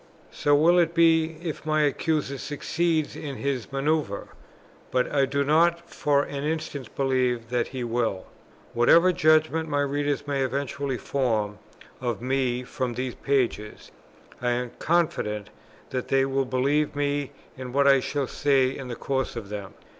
So will it be if my Accuser succeeds in his man[oe]uvre; but I do not for an instant believe that he will. Whatever judgment my readers may eventually form of me from these pages, I am confident that they will believe me in what I shall say in the course of them.